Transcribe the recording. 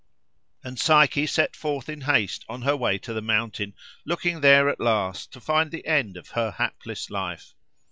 And Psyche set forth in haste on her way to the mountain, looking there at last to find the end of her hapless life.